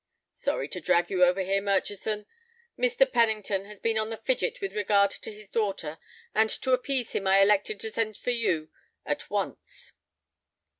"Sorry to drag you over here, Murchison. Mr. Pennington has been on the fidget with regard to his daughter, and to appease him I elected to send for you at once."